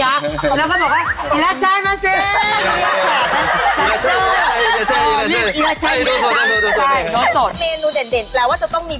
เมนูเด่นแล้วว่าจะต้องมี